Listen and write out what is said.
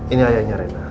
ini ayahnya rena